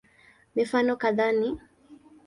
Mifano kadhaa ni